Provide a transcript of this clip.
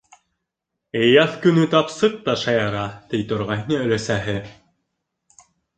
«Яҙ көнө тапсыҡ та шаяра!» - ти торғайны өләсәһе.